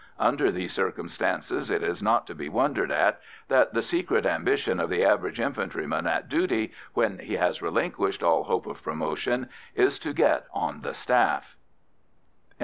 Under these circumstances it is not to be wondered at that the secret ambition of the average infantryman at duty, when he has relinquished all hope of promotion, is to get on the staff.